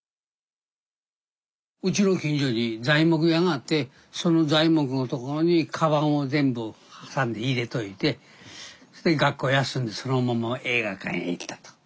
うちの近所に材木屋があってその材木のところにカバンを全部挟んで入れといて学校休んでそのまま映画館へ行ったと。